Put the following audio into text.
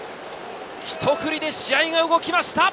ひと振りで試合が動きました。